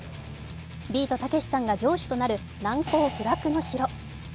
ビートたけしさんが城主となる難攻不落の城。